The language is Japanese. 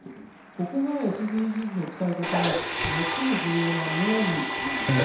ここがＳＤＧｓの使い方の最も重要な妙味なんですね。